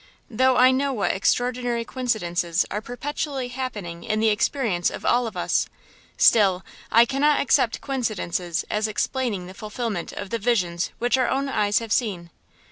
Though I know what extraordinary coincidences are perpetually happening in the experience of all of us, still I cannot accept coincidences as explaining the fulfillment of the Visions which our own eyes have seen.